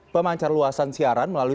pemancar luasan siaran melalui